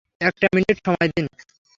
একটা মিনিট সময় দিন।